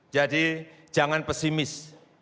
jadi jangan pesimis